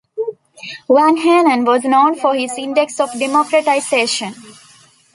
Vanhanen was known for his Index of Democratization.